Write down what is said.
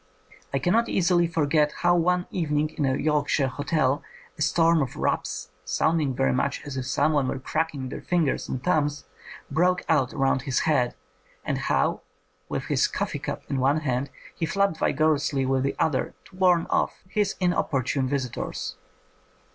I cannot easily forget how one evening in a Yorkshire hotel a storm of raps, sounding very much as if someone were cracking their fingers and thumb, broke out around his head, and how with his coffee cup in one hand he flapped vigorously with the other to warn off his inopportune visi tors.